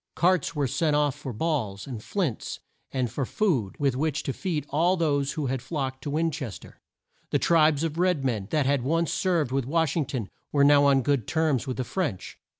Carts were sent off for balls, and flints, and for food with which to feed all those who had flocked to Win ches ter. The tribes of red men that had once served with Wash ing ton, were now on good terms with the French.